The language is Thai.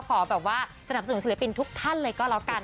ขอแบบว่าสนับสนุนศิลปินทุกท่านเลยก็แล้วกัน